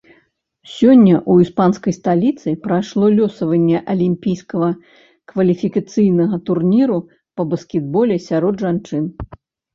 Сёння ў іспанскай сталіцы прайшло лёсаванне алімпійскага кваліфікацыйнага турніру па баскетболе сярод жанчын.